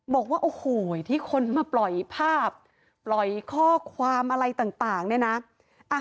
บอกว่าโอ้โหที่คนมาปล่อยภาพปล่อยข้อความอะไรต่างเนี่ยนะ